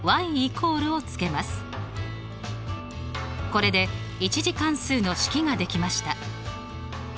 これで１次関数の式ができました。